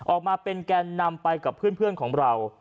ออกมาเป็นแกนนำไปกับเพื่อนของเรา